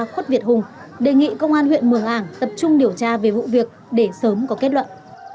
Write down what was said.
khuất việt hùng đề nghị công an huyện mường ảng tập trung điều tra về vụ việc để sớm có kết luận